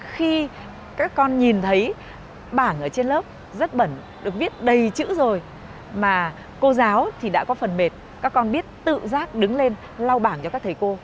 khi các con nhìn thấy bảng ở trên lớp rất bẩn được viết đầy chữ rồi mà cô giáo thì đã có phần mệt các con biết tự giác đứng lên lau bảng cho các thầy cô